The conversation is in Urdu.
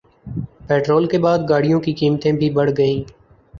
پیٹرول کے بعد گاڑیوں کی قیمتیں بھی بڑھ گئیں